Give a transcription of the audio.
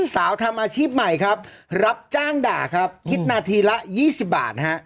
ทำอาชีพใหม่ครับรับจ้างด่าครับคิดนาทีละ๒๐บาทนะฮะ